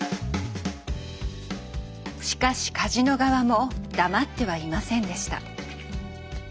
しかしカジノ側も黙ってはいませんでした。